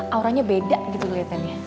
auranya beda gitu ngeliatnya